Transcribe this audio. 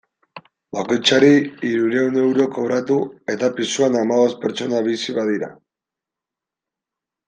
Bakoitzari hirurehun euro kobratu, eta pisuan hamabost pertsona bizi badira.